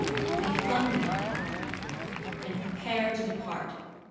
They flung me on it, and prepared to depart.